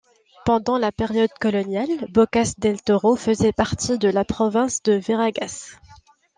Pendant la période coloniale, Bocas del Toro faisait partie de la province de Veraguas.